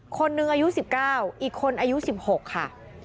คนหนึ่งอายุ๑๙อีกคนอายุ๑๖ค่ะ